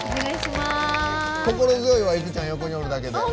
心強いわいくちゃんが横にいるだけで。